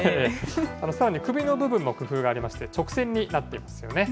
さらに首の部分も工夫がありまして、直線になっていますよね。